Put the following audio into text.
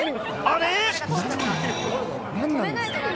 あれ？